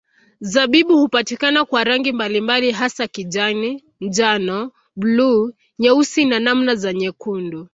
Zabibu hupatikana kwa rangi mbalimbali hasa kijani, njano, buluu, nyeusi na namna za nyekundu.